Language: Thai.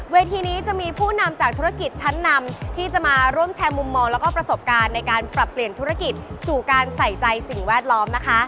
นี้จะมีผู้นำจากธุรกิจชั้นนำที่จะมาร่วมแชร์มุมมองแล้วก็ประสบการณ์ในการปรับเปลี่ยนธุรกิจสู่การใส่ใจสิ่งแวดล้อมนะคะ